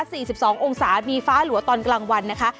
สิบสององศามีฟ้าหลัวตอนกลางวันนะคะ